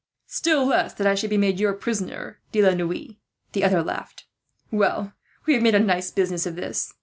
"Still less that I should be your prisoner, De la Noue," the other laughed. "Well, we have made a nice business of this.